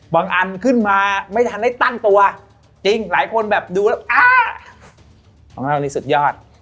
อันขึ้นมาไม่ทันได้ตั้งตัวจริงหลายคนแบบดูแล้วอ้าของเรานี่สุดยอด